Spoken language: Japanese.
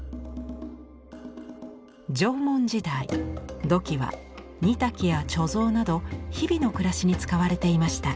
縄文時代土器は煮炊きや貯蔵など日々の暮らしに使われていました。